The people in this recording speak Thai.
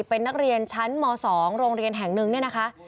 เป็นนักเรียนชั้นหมอ๒โรงเรียนแห่ง๑นี่นะคะ